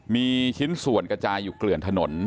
มีชิ้นส่วนกระจายอยู่เกลื่อนถนน